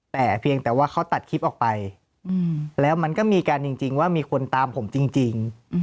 แต่เพียงแต่ว่าเขาตัดคลิปออกไปแล้วมันก็มีการจริงว่ามีคนตามผมจริง